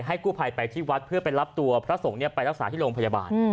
กู้ภัยไปที่วัดเพื่อไปรับตัวพระสงฆ์ไปรักษาที่โรงพยาบาล